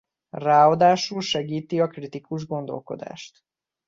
Ráadásul segíti a kritikus gondolkodást.